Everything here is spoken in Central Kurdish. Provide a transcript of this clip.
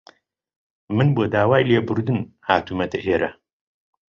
من بۆ داوای لێبوردن هاتوومەتە ئێرە.